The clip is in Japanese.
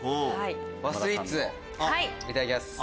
和スイーツいただきます。